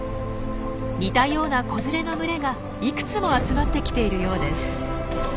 似たような子連れの群れがいくつも集まってきているようです。